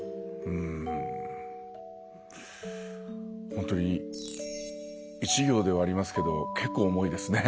本当、１行ではありますけど結構重いですね。